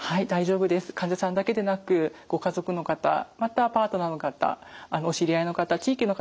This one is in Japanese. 患者さんだけでなくご家族の方またパートナーの方お知り合いの方地域の方